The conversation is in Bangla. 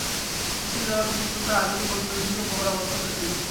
হোসনি দালান থেকে শুরু করে আজিমপুর পর্যন্ত বিভিন্ন ভবনে অবস্থান নেয় পুলিশ।